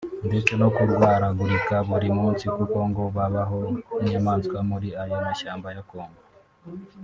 ndetse no kurwaragurika buri munsi kuko ngo babaho nk’inyamaswa muri ayo mashyamba ya Congo